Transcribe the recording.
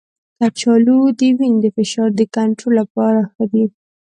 کچالو د وینې د فشار د کنټرول لپاره ښه دی.